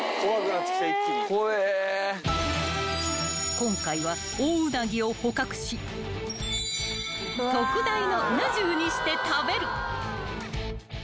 ［今回はオオウナギを捕獲し特大のうな重にして食べる］